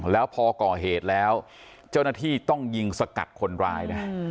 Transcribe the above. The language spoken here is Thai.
แล้วพอก่อเหตุแล้วเจ้าหน้าที่ต้องยิงสกัดคนร้ายนะ